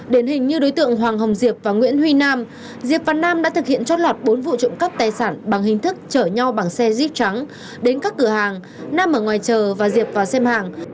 đến hình như đối tượng hoàng hồng diệp và nguyễn huy nam diệp và nam đã thực hiện chót lọt bốn vụ trộm cắp tài sản bằng hình thức chở nhau bằng xe jep trắng đến các cửa hàng nam ở ngoài chờ và diệp vào xem hàng